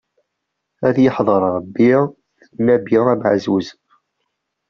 Ad yeḥḍer Ṛebbi, d Nnabi amaɛzuz.